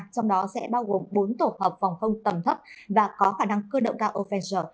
trong đó sẽ bao gồm bốn tổ hợp phòng không tầm thấp và có khả năng cơ động cao ofentier